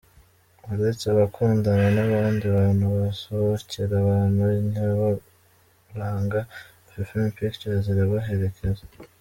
Uretse abakundana n'abandi bantu basohokera abantu nyaburanga, Afrifame Pictures irabaherekeza.